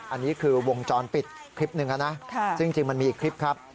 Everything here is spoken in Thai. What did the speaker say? อันนี้คือวงจรปิดคลิปหนึ่งนะซึ่งจริงมันมีอีกคลิปครับ